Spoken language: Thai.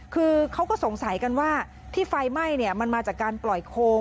คือเขาก็สงสัยกันว่าที่ไฟไหม้มันมาจากการปล่อยโคม